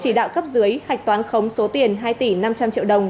chỉ đạo cấp dưới hạch toán khống số tiền hai tỷ năm trăm linh triệu đồng